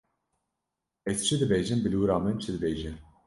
Ez çi dibêjim bilûra min çi dibêje.